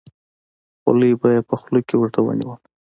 خولۍ به یې په خوله کې ورته ونیوله.